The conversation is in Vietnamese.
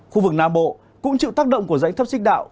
khu vực nam bộ cũng chịu tác động của rãnh thấp xích đạo